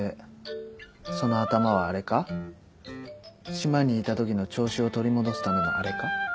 島にいたときの調子を取り戻すためのあれか？